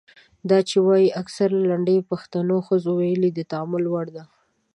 دا چې وايي اکثریت لنډۍ پښتنو ښځو ویلي د تامل وړ ده.